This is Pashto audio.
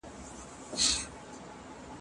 د خدای رضا په خدمت کي ده.